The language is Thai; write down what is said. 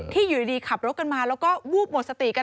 อยู่ดีขับรถกันมาแล้วก็วูบหมดสติกัน